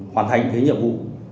hoàn thành những nhiệm vụ